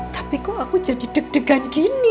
tapi kok aku jadi deg degan gini